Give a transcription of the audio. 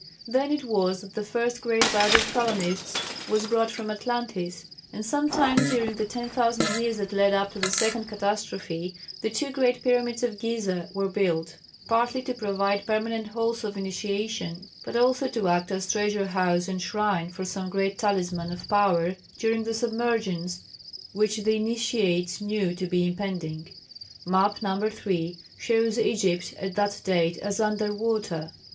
Then it was that the first great body of colonists was brought from Atlantis, and some time during the ten thousand years that led up to the second catastrophe, the two great Pyramids of Gizeh were built, partly to provide permanent Halls of Initiation, but also to act as treasure house and shrine for some great talisman of power during the submergence which the Initiates knew to be impending. Map No. 3 shows Egypt at that date as under water.